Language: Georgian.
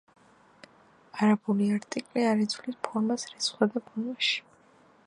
არაბული არტიკლი არ იცვლის ფორმას რიცხვსა და ბრუნვაში.